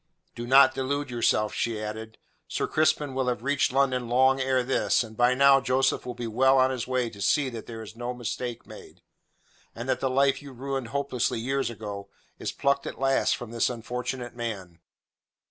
"Do not delude yourself," she added. "Sir Crispin will have reached London long ere this, and by now Joseph will be well on his way to see that there is no mistake made, and that the life you ruined hopelessly years ago is plucked at last from this unfortunate man.